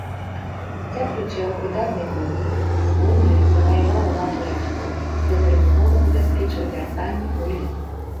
Дзякуючы яго выдатнай гульні, зборная заваявала важнае ачко і датэрмінова забяспечыла вяртанне ў эліту.